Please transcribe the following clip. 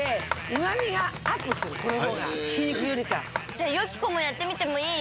じゃあよき子もやってみてもいい？